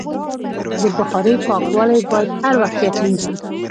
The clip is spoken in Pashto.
د بخارۍ پاکوالی باید هر وخت یقیني شي.